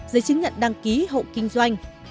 giấy chứng nhận đăng ký hậu kinh doanh